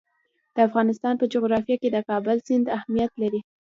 د افغانستان په جغرافیه کې د کابل سیند اهمیت لري.